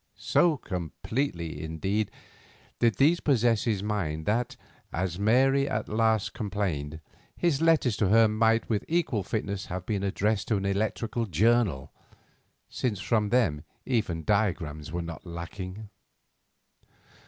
So completely, indeed, did these possess his mind that, as Mary at last complained, his letters to her might with equal fitness have been addressed to an electrical journal, since from them even diagrams were not lacking.